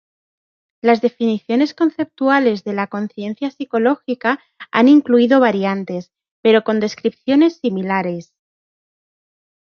Las definiciones conceptuales de la conciencia psicológica han incluido variantes, pero con descripciones similares.